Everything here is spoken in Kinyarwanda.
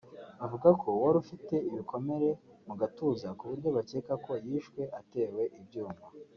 bavuga ko wari ufite ibikomere mu gatuza ku buryo bakeka ko yishwe atewe ibyuma